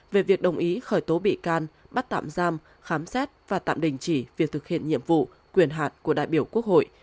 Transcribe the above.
về việc đồng ý khởi tố bị can bắt tạm giam khám xét và tạm đình chỉ việc thực hiện nhiệm vụ quyền hạn của đại biểu quốc hội